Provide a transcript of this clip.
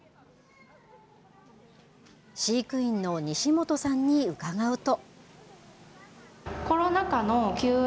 飼育員の西元さんに伺うと。